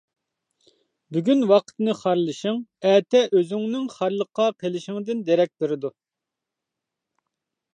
بۈگۈن ۋاقىتنى خارلىشىڭ، ئەتە ئۆزۈڭنىڭ خارلىققا قېلىشىڭدىن دېرەك بېرىدۇ.